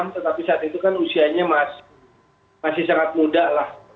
tetapi saat itu kan usianya masih sangat muda lah